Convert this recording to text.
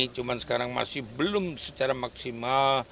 cuma sekarang masih belum secara maksimal